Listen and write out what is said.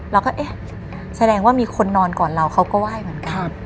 เราก็เอ๊ะแสดงว่ามีคนนอนก่อนเราเขาก็ไหว้เหมือนกัน